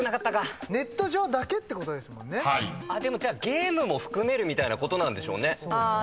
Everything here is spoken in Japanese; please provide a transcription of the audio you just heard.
ゲームも含めるみたいなことなんでしょうね。